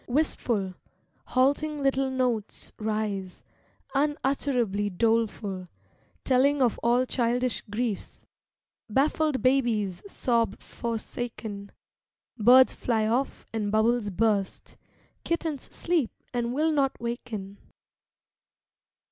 Wistful, halting little notes Rise, unutterably doleful, Telling of all childish griefs — Baffled babies sob forsaken, Birds fly off and bubbles burst, Kittens sleep and will not waken.